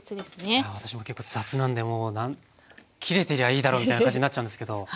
いや私も結構雑なんでもう切れてりゃいいだろうみたいな感じになっちゃうんですけど大事ですね。